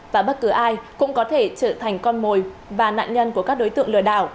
và bất cứ ai cũng có thể trở thành con mồi và nạn nhân của các đối tượng lừa đảo